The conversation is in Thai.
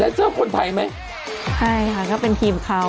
แดดเซอร์คนไทยไหมไงฮะเป็นทีมของเขา